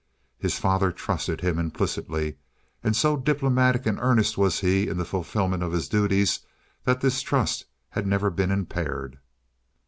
His father trusted him implicitly, and so diplomatic and earnest was he in the fulfilment of his duties that this trust had never been impaired.